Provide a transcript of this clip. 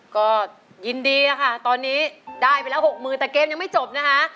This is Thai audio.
ก็ยินดีค่ะตอนนี้ได้ไปแล้ว๖๐๐๐แต่เกมยังไม่จบนะคะ